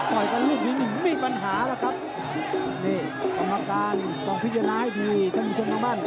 มีปัญหาแล้วครับนี่คุณประการต้องพิจารณาให้ที่ท่านผู้ชมทางบ้าน